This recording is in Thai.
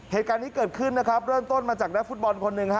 เหตุการณ์นี้เกิดขึ้นนะครับเริ่มต้นมาจากนักฟุตบอลคนหนึ่งฮะ